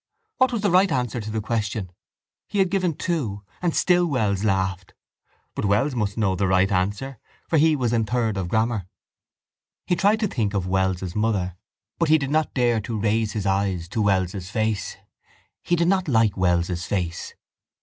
What was the right answer to the question? He had given two and still Wells laughed. But Wells must know the right answer for he was in third of grammar. He tried to think of Wells's mother but he did not dare to raise his eyes to Wells's face. He did not like Wells's face.